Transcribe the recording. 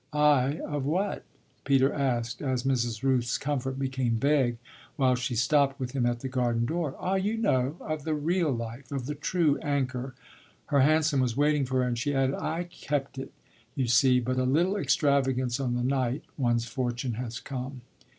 "Aye, of what?" Peter asked as Mrs. Rooth's comfort became vague while she stopped with him at the garden door. "Ah you know: of the real life, of the true anchor!" Her hansom was waiting for her and she added: "I kept it, you see; but a little extravagance on the night one's fortune has come!